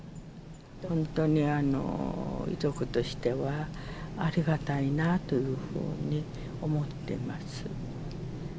本当に遺族としてはありがたいなというふうに思ってます。